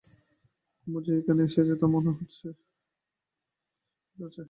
কুমু যে এখানে এসেছে আমার মনে হচ্ছে তার মধ্যে যেন বাঁকা কিছু আছে।